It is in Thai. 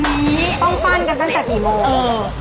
พี่ไปปล่อยที่จะกำลังกันตั้งแต่กี่โมง